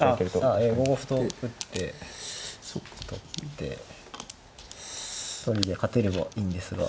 あ５五歩と打って取って取りで勝てればいいんですが。